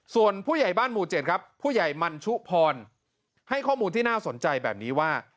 ส่วนผู้ใหญ่บ้านหมู่๗ครับผู้ใหญ่มันชุพรให้ข้อมูลที่น่าสนใจแบบนี้ว่า